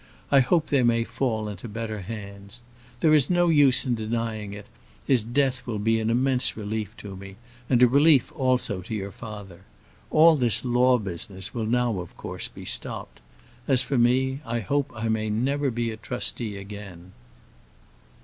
I hope they may fall into better hands. There is no use in denying it, his death will be an immense relief to me, and a relief also to your father. All this law business will now, of course, be stopped. As for me, I hope I may never be a trustee again."